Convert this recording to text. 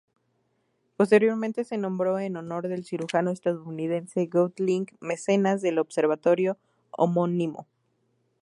Posteriormente se nombró en honor del cirujano estadounidense Goethe Link, mecenas del observatorio homónimo.